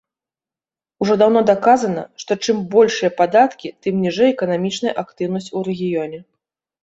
Ужо даўно даказана, што чым большыя падаткі, тым ніжэй эканамічная актыўнасць у рэгіёне.